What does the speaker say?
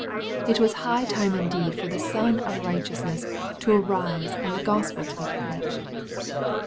It was high time indeed for the Sun of Kighteousness to arise and the Gospel to be preached.